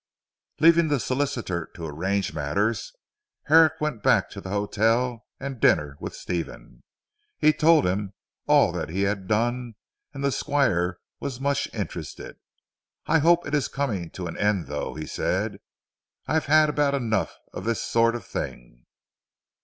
Leaving the solicitor to arrange matters, Herrick went back to the Hotel and dinner with Stephen. He told him all that he had done, and the Squire was much interested. "I hope it is coming to an end though," he said. "I have had about enough of this sort of thing."